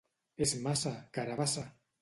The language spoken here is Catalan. És massa, carabassa!